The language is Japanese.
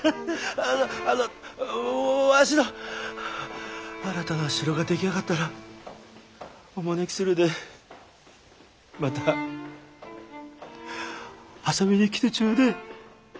ああのわしの新たな城が出来上がったらお招きするでまた遊びに来てちょでえ。